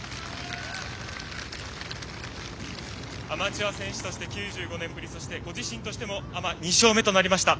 アマチュア選手として９５年ぶりそしてご自身としてもアマ２勝目となりました。